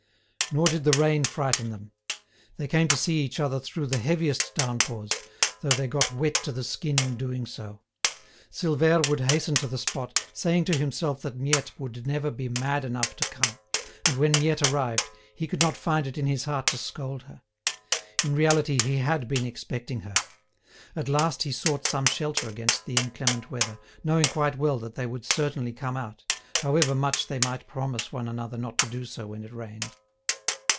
Nor did the rain frighten them. They came to see each other through the heaviest downpours, though they got wet to the skin in doing so. Silvère would hasten to the spot, saying to himself that Miette would never be mad enough to come; and when Miette arrived, he could not find it in his heart to scold her. In reality he had been expecting her. At last he sought some shelter against the inclement weather, knowing quite well that they would certainly come out, however much they might promise one another not to do so when it rained.